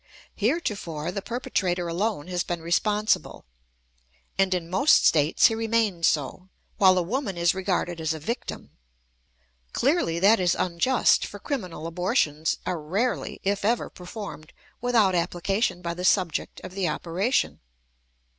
Heretofore, the perpetrator alone has been responsible, and in most States he remains so, while the woman is regarded as a victim. Clearly, that is unjust, for criminal abortions are rarely, if ever, performed without application by the subject of the operation.